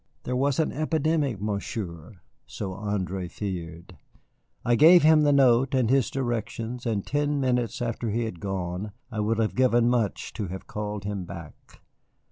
There was an epidemic, Monsieur, so André feared. I gave him the note and his directions, and ten minutes after he had gone I would have given much to have called him back.